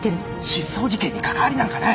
失踪事件に関わりなんかない。